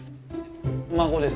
孫です。